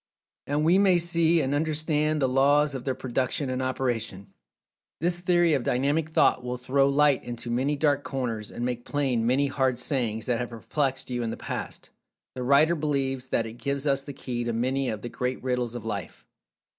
And we may see and understand the laws of their production and operation. This theory of Dynamic Thought will throw light into many dark corners, and make plain many "hard sayings" that have perplexed you in the past. The writer believes that it gives us the key to many of the great Riddles of Life.